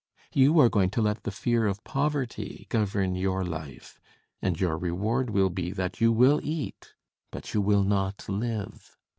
You are going to let the fear of poverty govern your life; and your reward will be that you will eat, but you will not live.